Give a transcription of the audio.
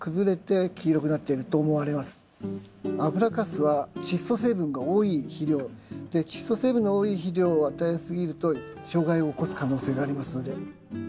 油かすはチッ素成分が多い肥料でチッ素成分の多い肥料を与えすぎると障害を起こす可能性がありますので。